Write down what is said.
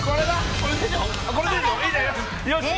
これでしょ！